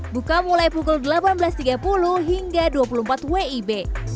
buka mulai pukul delapan belas tiga puluh hingga dua puluh empat wib